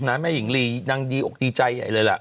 แม่หญิงลีนางดีอกดีใจใหญ่เลยล่ะ